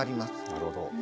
なるほど。